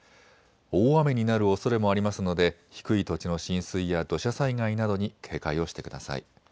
大雨になるおそれもありますので低い土地の浸水や土砂災害などに警戒をしてください。